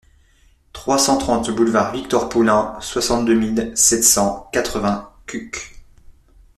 trois cent trente boulevard Victor Poulain, soixante-deux mille sept cent quatre-vingts Cucq